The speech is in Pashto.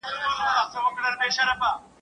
برخه نه لري له آب او له ادبه ..